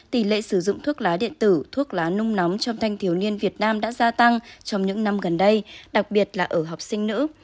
tỷ lệ sử dụng thuốc lá điện tử thuốc lá nung nóng trong thanh thiếu niên việt nam đã gia tăng trong những năm gần đây đặc biệt là ở học sinh nữ